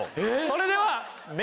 それでは。